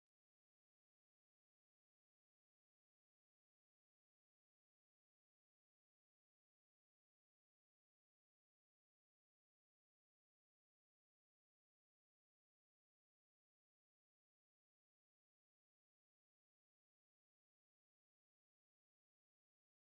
سیدال خان ناصر یو ډېر پیژندل شوی سپه سالار و.